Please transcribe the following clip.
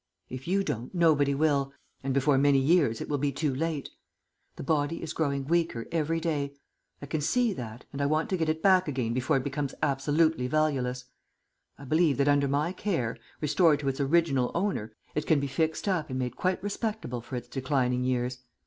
If you don't, nobody will, and before many years it will be too late. The body is growing weaker every day. I can see that, and I want to get it back again before it becomes absolutely valueless. I believe that under my care, restored to its original owner, it can be fixed up and made quite respectable for its declining years.